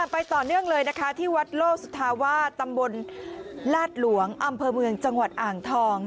ต่อเนื่องเลยนะคะที่วัดโลกสุธาวาสตำบลลาดหลวงอำเภอเมืองจังหวัดอ่างทอง